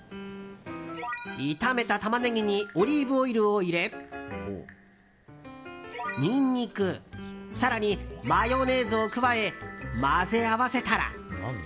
炒めたタマネギにオリーブオイルを入れニンニク、更にマヨネーズを加え混ぜ合わせたら。